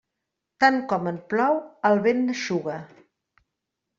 Tant com en plou, el vent n'eixuga.